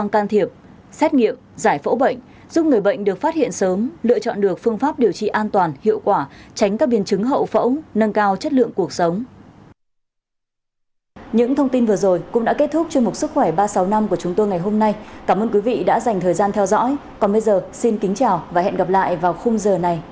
các người bệnh được phát hiện sớm lựa chọn được phương pháp điều trị an toàn hiệu quả tránh các biến chứng hậu phẫu nâng cao chất lượng cuộc sống